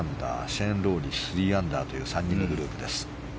シェーン・ロウリーが３アンダーという３人のグループです。